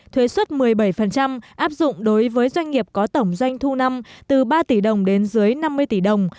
thuế xuất một mươi bảy áp dụng đối với doanh nghiệp có tổng doanh thu năm từ ba tỷ đồng đến dưới năm mươi tỷ đồng